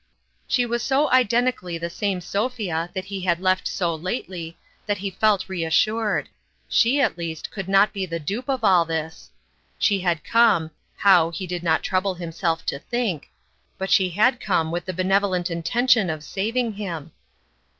She was so identically the same Sophia that he had left so lately, that he felt reassured. She, at least, could not be the dupe of all this. She had come how, he did not trouble him self to think, but she had come with the benevolent intention of saving him